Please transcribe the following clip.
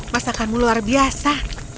masakanmu luar biasa